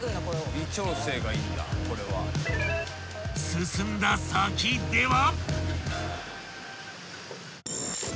［進んだ先では］